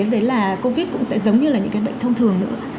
đấy là covid cũng sẽ giống như là những cái bệnh thông thường nữa